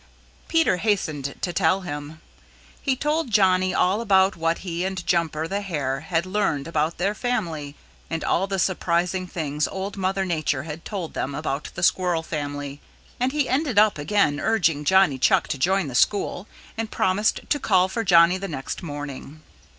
Peter hastened to tell him. He told Johnny all about what he and Jumper the Hare had learned about their family, and all the surprising things Old Mother Nature had told them about the Squirrel family, and he ended by again urging Johnny Chuck to join the school and promised to call for Johnny the next morning.